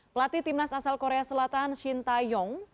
pelatih timnas asal korea selatan shin taeyong